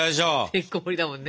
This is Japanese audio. てんこもりだもんね。